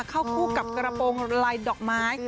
เข้าคู่กับกระโปรงลายดอกไม้